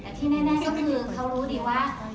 แต่ที่แน่ก็คือเขารู้ดีว่า